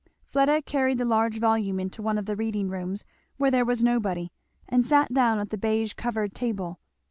Fleda carried the large volume into one of the reading rooms, where there was nobody, and sat down at the baize covered table.